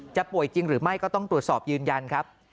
ป่วยจริงหรือไม่ก็ต้องตรวจสอบยืนยันครับ